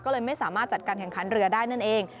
ก็เลยไม่สามารถจัดการแข่งขันเรือได้นั่นเอง